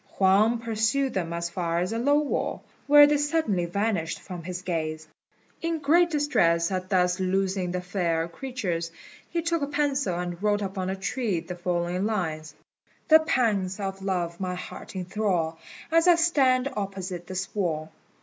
Huang pursued them as far as a low wall, where they suddenly vanished from his gaze. In great distress at thus losing the fair creatures, he took a pencil and wrote upon a tree the following lines: "The pangs of love my heart enthrall As I stand opposite this wall.